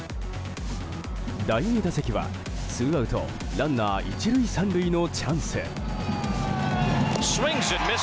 第２打席は、ツーアウトランナー１塁３塁のチャンス。